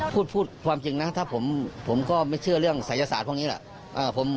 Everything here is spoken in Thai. พูดความจริงนะถ้าผมก็ไม่เชื่อเรื่องศัยศาสตร์พวกนี้แหละ